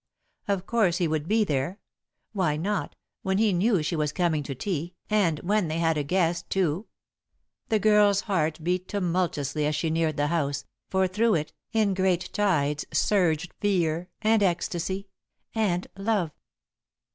Of course he would be there! Why not, when he knew she was coming to tea and when they had a guest, too? The girl's heart beat tumultuously as she neared the house, for through it, in great tides, surged fear, and ecstasy and love.